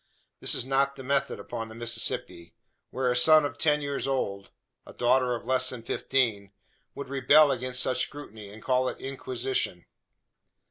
This is not the method upon the Mississippi; where a son of ten years old a daughter of less than fifteen would rebel against such scrutiny, and call it inquisition.